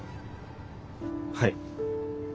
はい。